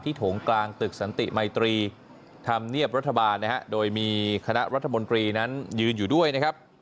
ที่ถงกลางตึกสันติไมตรีทำเรียบรัฐบาลโดยมีคณะรัฐมนตรีนั้นยืนอยู่ด้วยนะครับ